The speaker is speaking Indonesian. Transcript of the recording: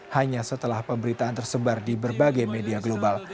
hanya setelah pemberitaan tersebar di berbagai media global